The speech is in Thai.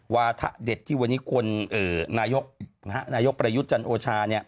ว่าถ้าเด็ดที่วันนี้ควรเอ่อนายกนะฮะนายกประยุทธ์จันทร์โอชาเนี้ย